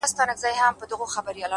ژوند د فکر انعکاس دی.!